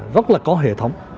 rất là có hệ thống